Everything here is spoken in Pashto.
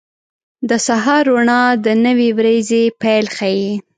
• د سهار روڼا د نوې ورځې پیل ښيي.